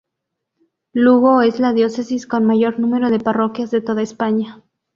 Lugo es la diócesis con mayor número de parroquias de toda España.